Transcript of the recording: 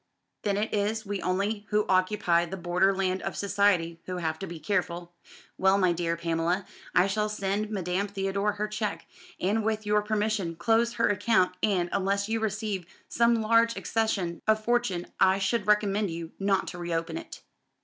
Then it is we only who occupy the border land of society who have to be careful. Well, my dear Pamela, I shall send Madame Theodore her cheque, and with your permission close her account; and, unless you receive some large accession of fortune I should recommend you not to reopen it."